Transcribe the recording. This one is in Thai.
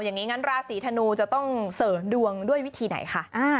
อย่างนั้นราศีธนูจะต้องเสริมดวงด้วยวิธีไหนคะ